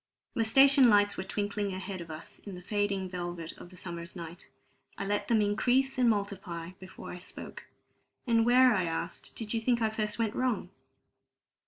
The station lights were twinkling ahead of us in the fading velvet of the summer's night. I let them increase and multiply before I spoke. "And where," I asked, "did you think I first went wrong?"